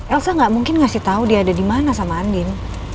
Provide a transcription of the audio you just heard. elsa gak mungkin ngasih tau dia ada dimana sama andin